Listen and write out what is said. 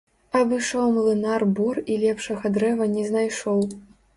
Абышоў млынар бор і лепшага дрэва не знайшоў.